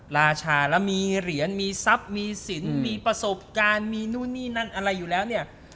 ราชาแล้วมีเหรียญมีทรัพย์มีสินมีประสบการณ์มีนู่นนี่นั่นอะไรอยู่แล้วเนี่ย